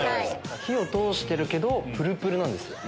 火を通してるけどプルプルなんです。